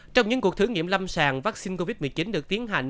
trong những cuộc thử nghiệm lâm sàng vaccine covid một mươi chín được tiến hành